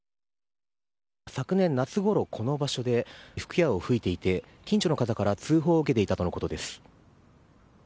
昨年夏ごろ、この場所で吹き矢を吹いていて近所の方から通報を受けていたとのことです。